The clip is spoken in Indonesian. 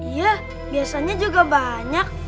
iya biasanya juga banyak